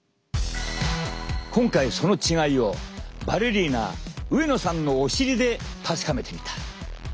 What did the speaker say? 今回その違いをバレリーナ上野さんのお尻で確かめてみた。